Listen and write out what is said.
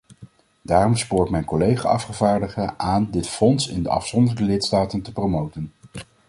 Daarom spoor ik mijn collega-afgevaardigden aan dit fonds in de afzonderlijke lidstaten te promoten.